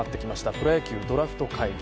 プロ野球ドラフト会議。